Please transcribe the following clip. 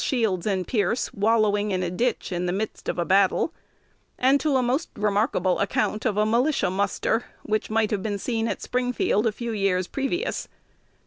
Shields and Pierce wallowing in the ditch in the midst of a battle, and to a most remarkable account of a militia muster which might have been seen at Springfield a few years previous.